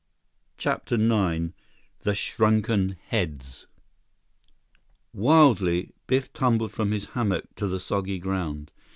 CHAPTER IX The Shrunken Heads Wildly, Biff tumbled from his hammock to the soggy ground.